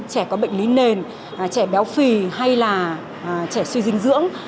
trẻ có bệnh lý nền trẻ béo phì hay là trẻ suy dinh dưỡng